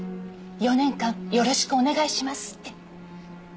４年間よろしくお願いしますって。